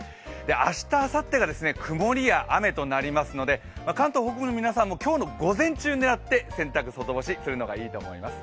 明日、あさってが曇りや雨となりますので関東北部の皆さんも、今日の午前中を狙って洗濯外干しするのがいいと思います。